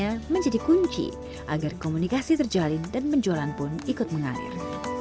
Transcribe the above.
dan kemudiannya menjadi kunci agar komunikasi terjalin dan penjualan pun ikut mengalir